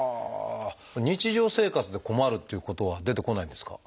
日常生活で困るっていうことは出てこないんですか？